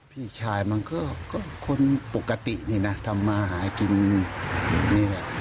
พี่ชายมันก็คนปกตินี่นะทำมาหากินอยู่นี่แหละ